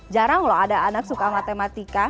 jarang loh ada anak suka matematika